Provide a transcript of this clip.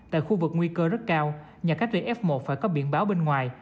tại khu vực nguy cơ rất cao nhà cách ly f một phải có biển báo bên ngoài